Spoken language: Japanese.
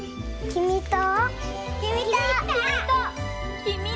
きみと！